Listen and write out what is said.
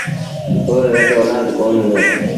اُئي وٽ اولآد ڪونا هُݩدو۔